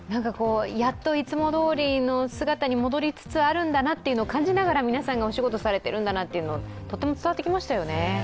やっといつもどおりの姿に戻りつつあるんだなというのを感じながら皆さんがお仕事されているんだなととても伝わってきましたよね。